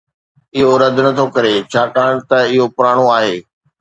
اهو رد نٿو ڪري ڇاڪاڻ ته اهو پراڻو آهي